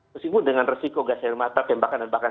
tersibuk dengan resiko gas air mata tembakan dan bahkan